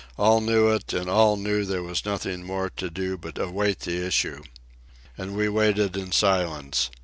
All knew it, and all knew there was nothing more to do but await the issue. And we waited in silence.